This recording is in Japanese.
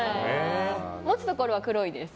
持つところは黒いです。